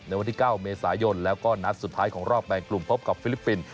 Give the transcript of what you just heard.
วันที่๙เมษายนแล้วก็นัดสุดท้ายของรอบแบ่งกลุ่มพบกับฟิลิปปินส์